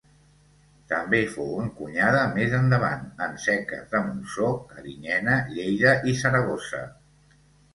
També fou encunyada, més endavant, en seques de Montsó, Carinyena, Lleida i Saragossa.